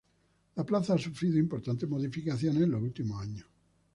La plaza ha sufrido importantes modificaciones en los últimos años.